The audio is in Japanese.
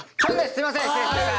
すいません失礼しました。